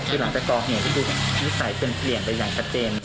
คือหลังจากตอบเนี่ยมีใส่เป็นเปลี่ยนไปอย่างตัดเจน